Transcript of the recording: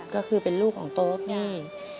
ก็คือเป็นลูกของโต๊ปได้